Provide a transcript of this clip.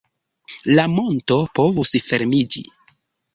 La monto povus fermiĝi.